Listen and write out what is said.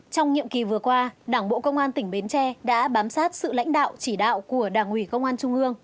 trong nhiệm kỳ vừa qua đảng bộ công an tỉnh bến tre đã bám sát sự lãnh đạo chỉ đạo của đảng ủy công an trung ương